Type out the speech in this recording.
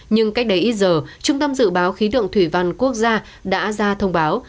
nhưng cách đây ít giờ trung tâm dự báo khí tượng thủy văn quốc gia đã ra thông báo